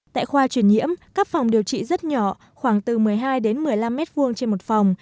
tại khoa chuyển nhiễm các phòng điều trị rất nhỏ khoảng từ một mươi hai đến một mươi năm mét vuông trên một phòng